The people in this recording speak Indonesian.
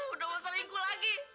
udah mau seringkuh lagi